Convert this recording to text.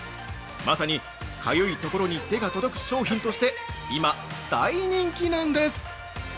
まさに、かゆいところに手が届く商品として、今大人気なんです。